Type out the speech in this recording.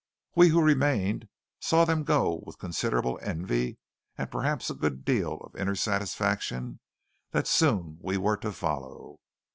We who remained saw them go with considerable envy, and perhaps a good deal of inner satisfaction that soon we were to follow.